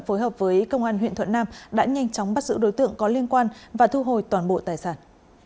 phối hợp với công an huyện thuận nam đã nhanh chóng bắt giữ đối tượng có liên quan và thu hồi toàn bộ tài sản